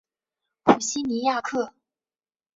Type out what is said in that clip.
普西尼亚克。